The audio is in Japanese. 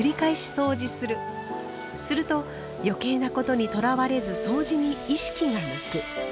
すると余計なことにとらわれずそうじに意識が向く。